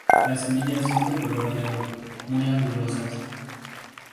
Las semillas son de color negro, muy angulosas.